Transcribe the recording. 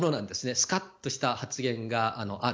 スカッとした発言がある。